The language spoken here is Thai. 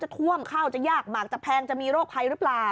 ดูเปล่าเพราะขอไขกัน